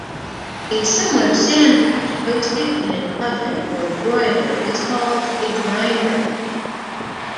A similar sandwich toasted in an oven or broiler is called a "grinder".